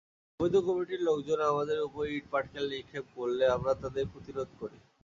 অবৈধ কমিটির লোকজন আমাদের ওপর ইট-পাটকেল নিক্ষেপ করলে আমরা তাদের প্রতিরোধ করি।